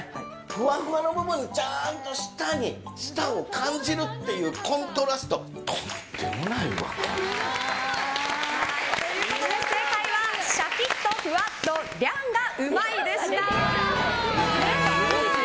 ふわふわのままちゃんと下に舌を感じるというコントラスト。ということで正解はシャキッとふわっとリャンがうまいでした！